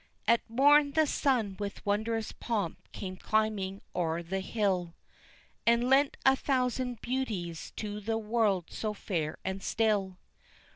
At morn the sun with wondrous pomp came climbing o'er the hill, And lent a thousand beauties to the world so fair and still.